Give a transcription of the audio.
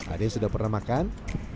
ada yang sudah pernah makan